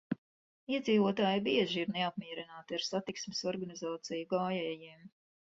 Iedzīvotāji bieži ir neapmierināti ar satiksmes organizāciju gājējiem.